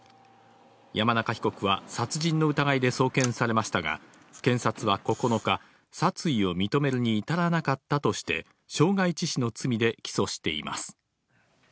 山中被告は殺人の疑いで送検されましたが、検察は９日、殺意を認めるに至らなかったとして、傷害致死の罪で起訴しています。